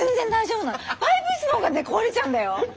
パイプ椅子の方がね壊れちゃうんだよ！